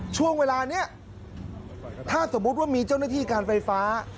ช่วงเวลานี้ถ้าสมมุติว่ามีเจ้าหน้าที่การไฟฟ้า